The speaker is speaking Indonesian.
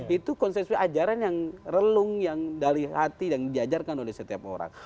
itu konsep ajaran yang relung yang dari hati yang diajarkan oleh setiap orang